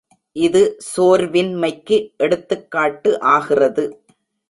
இது சோர்வின்மைக்கு எடுத்துக்காட்டு ஆகிறது.